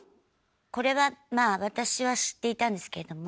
これはまあ私は知っていたんですけども。